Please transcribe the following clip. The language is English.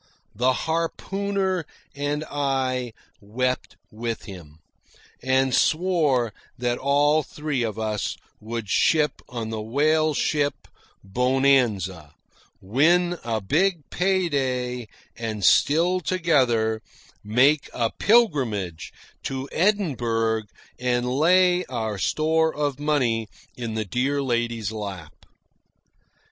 The harpooner and I wept with him, and swore that all three of us would ship on the whaleship Bonanza, win a big pay day, and, still together, make a pilgrimage to Edinburgh and lay our store of money in the dear lady's lap.